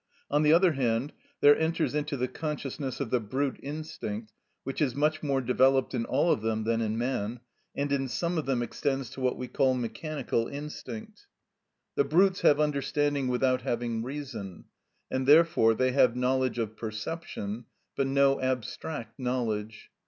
On the other hand, there enters into the consciousness of the brute instinct, which is much more developed in all of them than in man, and in some of them extends to what we call mechanical instinct. The brutes have understanding without having reason, and therefore they have knowledge of perception but no abstract knowledge.